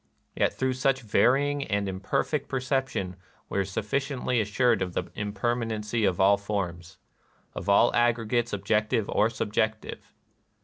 Yet through such varying and imperfect perception we are suf ficiently assured of the impermanency of all forms, — of all aggregates objective or sub jective.